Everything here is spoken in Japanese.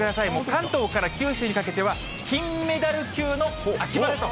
関東から九州にかけては、金メダル級の秋晴れと。